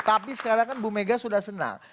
tapi sekarang kan bu mega sudah senang